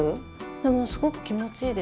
でもすごく気持ちいいです。